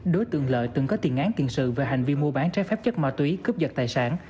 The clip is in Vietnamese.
đối tượng lợi từng có tiền án tiền sự về hành vi mua bán trái phép chất ma túy cướp vật tài sản